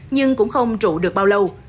nhưng cũng không trụ được bao lâu